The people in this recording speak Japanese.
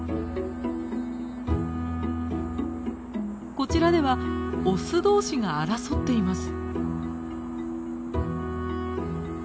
こちらではオス同士が争っています。